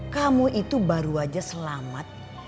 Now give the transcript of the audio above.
kamu itu baru aja selamat